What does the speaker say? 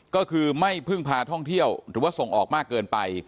ก็คือไม่พึ่งพาท่องเที่ยวหรือว่าส่งออกมากเกินไป